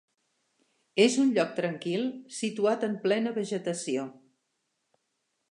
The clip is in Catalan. És un lloc tranquil situat en plena vegetació.